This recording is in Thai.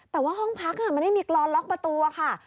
แต่ว่าห้องพักมันไม่มีกรอนล็อกประตูค่ะ